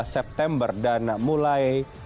dua september dan mulai